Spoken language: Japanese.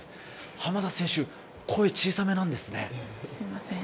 浜田選手、声小さめなんですすいません。